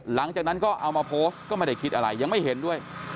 หลังจากนั้นก็เอามาโพสต์ก็ไม่ได้คิดอะไรยังไม่เห็นด้วย